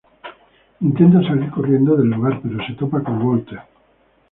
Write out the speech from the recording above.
Intenta salir corriendo del lugar, pero se topa con Walter.